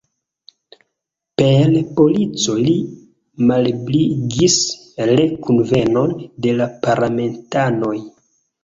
Per polico li malebligis re-kunvenon de la parlamentanoj.